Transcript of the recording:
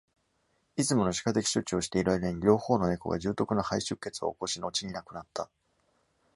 いつもの歯科的処置をしている間に、両方のネコが重篤な肺出血を起こし後に亡くなった。